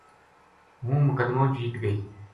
ہوں مقدمو جیت گئی